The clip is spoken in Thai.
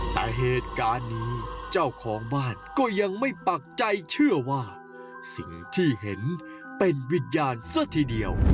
แต่เหตุการณ์นี้เจ้าของบ้านก็ยังไม่ปักใจเชื่อว่าสิ่งที่เห็นเป็นวิญญาณซะทีเดียว